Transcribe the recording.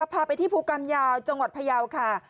พาไปที่ภูกรรมยาวจังหวัดพยาวค่ะ